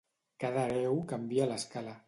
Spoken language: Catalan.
Cada hereu canvia l'escala.